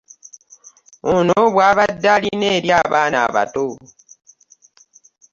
Ono bwabadde alina eri abaana abato